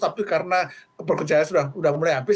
tapi karena pekerjaannya sudah mulai habis